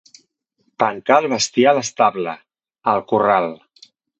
Tancar el bestiar a l'estable, al corral.